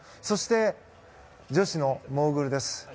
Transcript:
そして、女子のモーグルです。